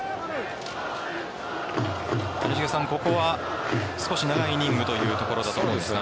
ここは少し長いイニングというところだと思うんですが。